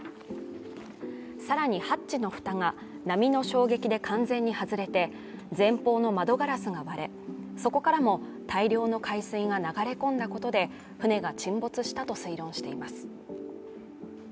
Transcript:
更に、ハッチの蓋が波の衝撃で完全に外れて前方の窓ガラスが割れそこからも大量の海水が流れ込んだことで船が沈没したと推論しています。